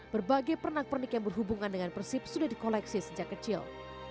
berbagai pernak pernik yang berhubungan dengan persib sudah dikoleksi sejak kecil